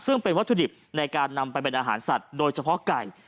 ซึ่งเป็นวัตถุดิบในการนำไปเป็นอาหารสัตว์โดยเฉพาะไก่